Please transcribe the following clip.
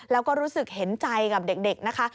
แล้วก็รู้สึกเห็นใจกับเด็กนะคะ